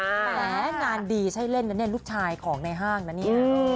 แม้งานดีใช่เล่นนะเนี่ยลูกชายของในห้างนะเนี่ย